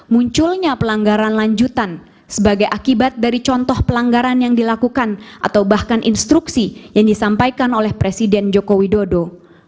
munculnya pelanggaran lanjutan sebagai akibat dari contoh pelanggaran yang dilakukan atau bahkan instruksi yang disampaikan oleh presiden joko widodo